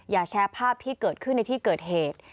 แชร์ภาพที่เกิดขึ้นในที่เกิดเหตุ